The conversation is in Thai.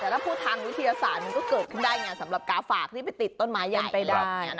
แต่ถ้าพูดทางวิทยาศาสตร์มันก็เกิดขึ้นได้ไงสำหรับกาฝากที่ไปติดต้นไม้ยันไปได้